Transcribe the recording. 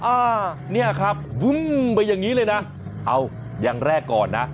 อ่าเนี่ยครับวึ้มไปอย่างนี้เลยนะเอาอย่างแรกก่อนนะ